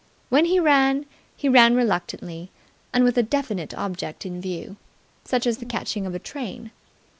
When he ran, he ran reluctantly and with a definite object in view, such as the catching of a train.